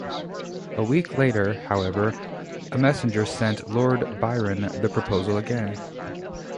A week later, however, a messenger sent Lord Byron the proposal again.